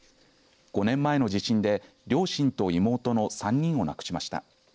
５年前の地震で両親と妹の３人を亡くしました。